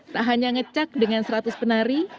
tak hanya ngecak dengan seratus penari